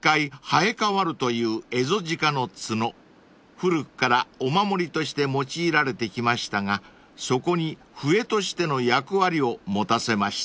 ［古くからお守りとして用いられてきましたがそこに笛としての役割を持たせました］